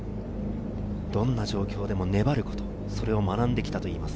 どんな状況でも粘ること、それを学んできたといいます。